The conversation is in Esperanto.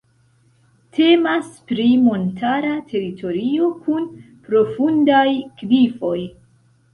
Temas pri montara teritorio kun profundaj klifoj.